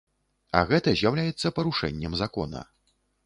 А гэта з'яўляецца парушэннем закона.